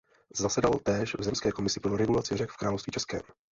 Zasedal též v Zemské komisi pro regulaci řek v Království českém.